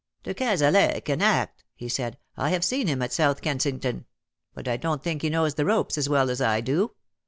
" De Cazalet can act,'' he said. " I have seen him at South Kensington ; but I don't think he knows the ropes as well as I do.